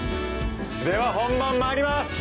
では本番まいります。